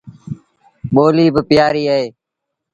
ٻوليٚ با پيٚآريٚ اهي